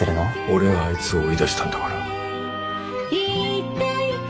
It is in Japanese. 俺があいつを追い出したんだから。